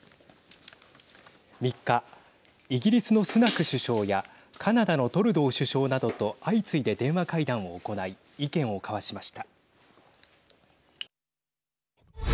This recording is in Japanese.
３日、イギリスのスナク首相やカナダのトルドー首相などと相次いで電話会談を行い意見を交わしました。